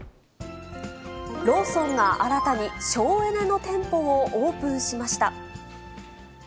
ローソンが新たに省エネの店舗をオープンしました。